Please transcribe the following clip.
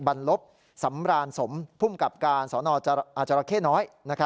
บรรลบสำรานสมภูมิกับการสนอาจารเข้น้อย